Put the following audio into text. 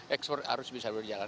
ekspor harus bisa berjalan